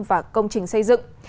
và công trình xây dựng